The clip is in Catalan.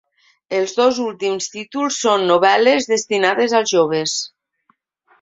Els dos últims títols són novel·les destinades als joves.